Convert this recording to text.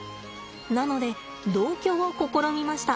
なので同居を試みました。